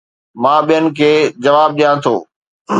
مان ٻين کي جواب ڏيان ٿو